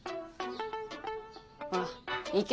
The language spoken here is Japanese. ほら行け。